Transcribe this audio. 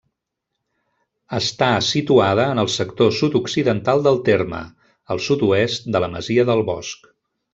Està situada en el sector sud-occidental del terme, al sud-oest de la masia del Bosc.